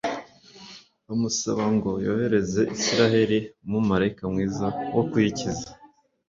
bamusaba ngo yoherereze israheli umumalayika mwiza wo kuyikiza